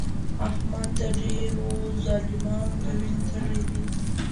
احمد د ډېرو ظالمانو د وینو تږی دی.